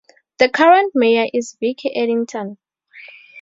The current mayor is Vicki Edington.